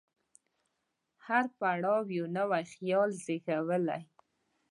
هر پړاو یو نوی خیال زېږولی.